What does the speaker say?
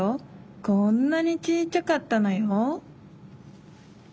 こんなにちいちゃかったのよ。